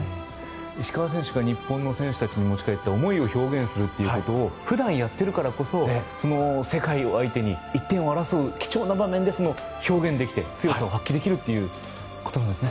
石川選手が日本の選手たちに持ち帰った思いを表現するということを普段やっているからこそその世界を相手に、１点を争う貴重な場面で表現できて成果を発揮できるということなんですね。